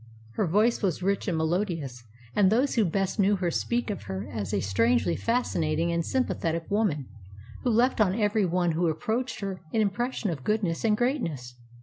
Her voice was rich and melodious, and those who best knew her speak of her as a strangely fascinating and sympathetic woman, who left on every one who approached her an impression of goodness and greatness.